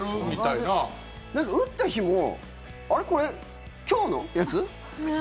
なんか打った日もあれ、これ今日のやつ？